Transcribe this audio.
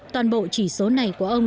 toàn bộ chỉ số này của ông